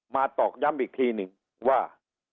ตอกย้ำอีกทีหนึ่งว่า